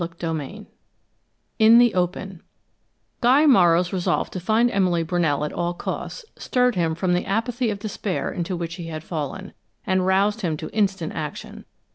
CHAPTER XIV IN THE OPEN Guy Morrow's resolve to find Emily Brunell at all costs, stirred him from the apathy of despair into which he had fallen, and roused him to instant action.